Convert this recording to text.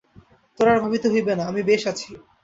তোর আর ভাবিতে হইবে না, আমি বেশ আছি।